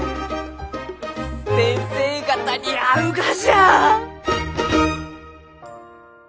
先生方に会うがじゃ！